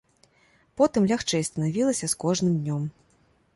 Потым лягчэй станавілася з кожным днём.